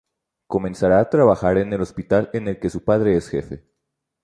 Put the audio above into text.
Comenzará a trabajar en el hospital en el que su padre es jefe.